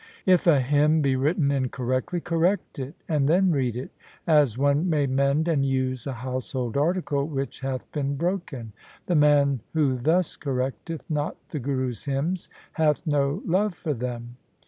If a hymn be written incorrectly, correct it and then read it, as one may mend and use a household article which hath been broken. The man who thus correcteth not the Gurus' hymns hath no love for them.'